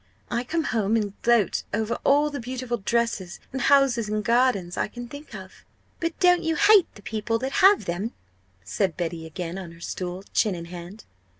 I come home and gloat over all the beautiful dresses and houses and gardens I can think of!" "But don't you hate the people that have them?" said Betty, again on her stool, chin in hand.